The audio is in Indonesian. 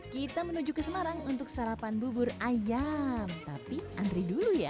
kita menuju ke semarang untuk sarapan bubur ayam tapi antri dulu ya